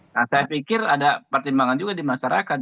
nah saya pikir ada pertimbangan juga di masyarakat